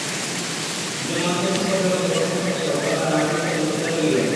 দুজন মানুষের সম্পর্কের মধ্যে প্রত্যাশা থেকে হতাশা, রাগ, দুঃখ, দুশ্চিন্তা তৈরি হয়।